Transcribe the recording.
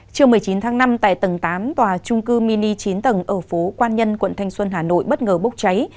trưa một mươi chín tháng năm tại tầng tám tòa trung cư mini chín tầng ở phố quan nhân quận thanh xuân hà nội bất ngờ bốc cháy